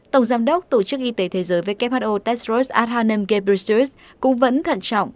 tổng giám đốc tổ chức y tế thế giới who tedros adhanom ghebreyesus cũng vẫn thận trọng